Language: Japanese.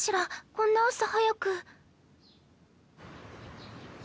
こんな朝早く。